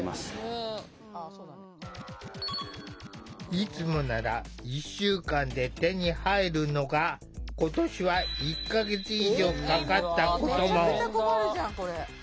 いつもなら１週間で手に入るのが今年は１か月以上かかったことも。